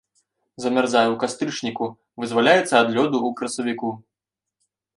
Замярзае ў кастрычніку, вызваляецца ад лёду ў красавіку.